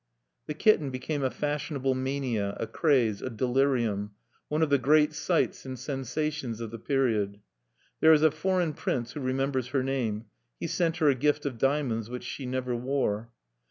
The kitten became a fashionable mania, a craze, a delirium, one of the great sights and sensations of the period. There is a foreign prince who remembers her name: he sent her a gift of diamonds which she never wore.